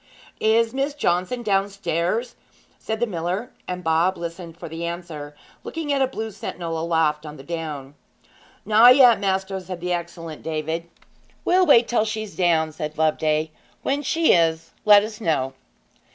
'Is Miss Johnson downstairs?' said the miller; and Bob listened for the answer, looking at a blue sentinel aloft on the down. 'Not yet, maister,' said the excellent David. 'We'll wait till she's down,' said Loveday. 'When she is, let us know.'